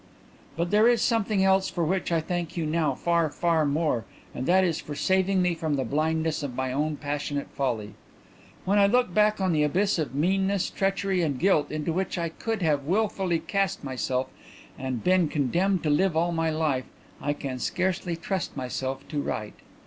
"But there is something else for which I thank you now far, far more, and that is for saving me from the blindness of my own passionate folly. When I look back on the abyss of meanness, treachery and guilt into which I would have wilfully cast myself, and been condemned to live in all my life, I can scarcely trust myself to write.